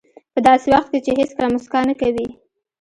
په داسې وخت کې چې هېڅکله موسکا نه کوئ.